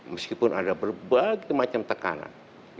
meskipun ada berbagai macam tekanan